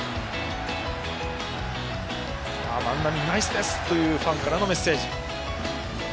万波ナイスですというファンからのメッセージ。